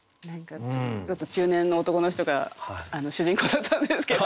ちょっと中年の男の人が主人公だったんですけど。